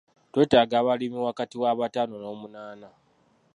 Twetaaga abalimi wakati w’abataano n’omunaana.